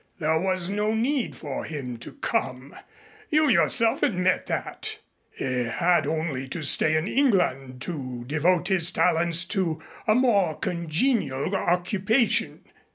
There was no need for him to come. You yourself admit that. He had only to stay in England to devote his talents to a more congenial occupation."